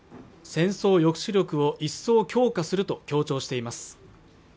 戦争抑止力を一層強化すると強調しています